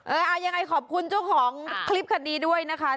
ยังไงขอบคุณเจ้าของคลิปคันนี้ด้วยนะคะ